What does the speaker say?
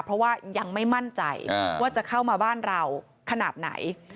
เพราะว่ายังไม่มั่นใจว่าจะเข้ามาบ้านเราขนาดไหน